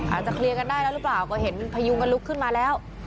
อาจจะเคลียร์กันได้แล้วหรือเปล่าก็เห็นพยุงกันลุกขึ้นมาแล้ว